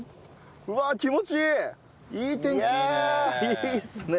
いいっすね。